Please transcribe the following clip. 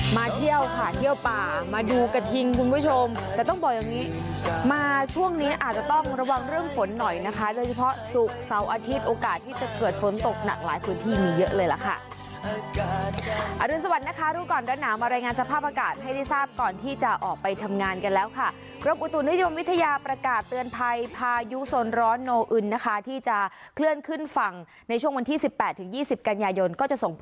มาเที่ยวค่ะเที่ยวป่ามาดูกระทิงคุณผู้ชมแต่ต้องบอกอย่างนี้มาช่วงนี้อาจจะต้องระวังเรื่องฝนหน่อยนะคะโดยเฉพาะศุกร์เศร้าอาทิตย์โอกาสที่จะเกิดฝนตกหนักหลายพื้นที่มีเยอะเลยล่ะค่ะอรุณสวัสดิ์นะคะรู้ก่อนด้านหนาวมารายงานสภาพอากาศให้ได้ทราบตอนที่จะออกไปทำงานกันแล้วค่ะเริ่มอุตุรนิยมวิทยาป